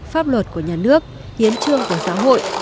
pháp luật của nhà nước hiến trương của xã hội